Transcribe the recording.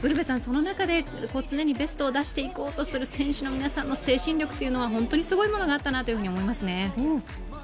その中で常にベストを出していこうとする選手の皆さんの精神力というのは本当にすごいものがあったなと思いますね。